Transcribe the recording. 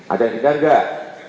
ada yang dengar enggak